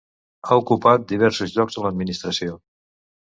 Ha ocupat diversos llocs a l'administració.